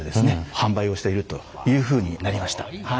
販売をしているというふうになりました。